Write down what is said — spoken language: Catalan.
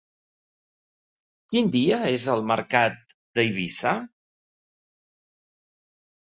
Quin dia és el mercat d'Eivissa?